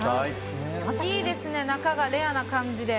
いいですね、中がレアな感じで。